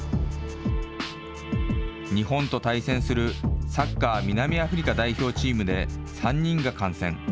日本と対戦するサッカー南アフリカ代表チームで３人が感染。